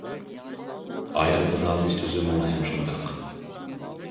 ئايرىم غىزالىنىش تۈزۈمىمۇ ھەم شۇنداق.